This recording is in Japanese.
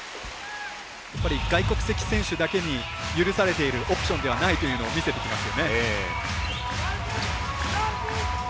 外国籍選手だけに許されているオプションではないというのを見せてきます。